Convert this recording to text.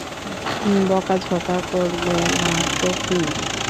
বকাঝকা করবে না তো কি!